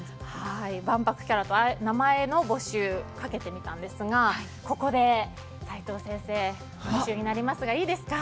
万博キャラと名前の募集をかけてみたんですがここで齋藤先生、いいですか。